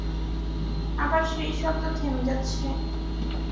আবার সেই শব্দ থেমে যাচ্ছে।